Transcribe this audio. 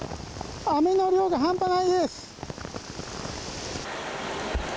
雨の量が半端ないです。